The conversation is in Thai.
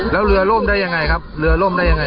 แล้วเรือล่มได้ยังไงครับเรือล่มได้ยังไง